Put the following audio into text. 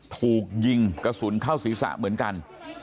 ถูกยิงกระสุนเข้าศีรษะเหมือนกัน